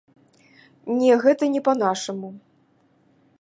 Не, гэта не па-нашаму.